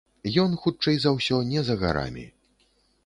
Ён, хутчэй за ўсё, не за гарамі.